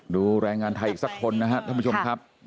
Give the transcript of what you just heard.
แรงงานไทยอีกสักคนนะครับท่านผู้ชมครับ